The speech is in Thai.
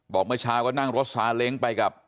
เมื่อเช้าก็นั่งรถซาเล้งไปกับ